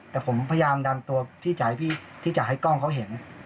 แต่ผมพยายามดันตัวที่จะให้กล้องเขาเห็น